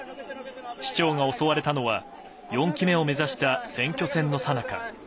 市長が襲われたのは、４期目を目指した選挙戦のさなか。